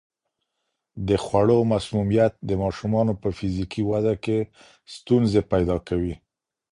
د خوړو مسمومیت د ماشومانو په فزیکي وده کې ستونزې پیدا کوي.